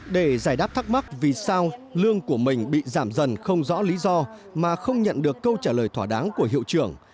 để giải đáp thắc mắc vì sao lương của mình bị giảm dần không rõ lý do mà không nhận được câu trả lời thỏa đáng của hiệu trưởng